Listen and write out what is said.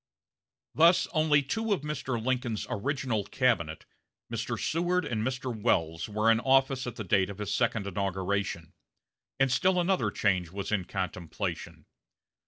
Thus only two of Mr. Lincoln's original cabinet, Mr. Seward and Mr. Welles, were in office at the date of his second inauguration; and still another change was in contemplation.